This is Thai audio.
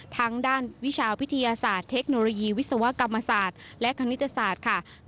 ทั้งด้านวิชาวิทยาศาสตร์เทคโนโลยีวิศวกรรมศาสตร์และคณิตศาสตร์ค่ะ